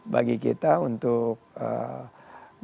bagi kita untuk eee